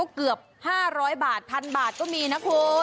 ก็เกือบห้าร้อยบาทพันบาทก็มีนะคุณ